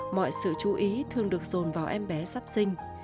mọi sự chú ý thường được dồn vào em bé sắp sinh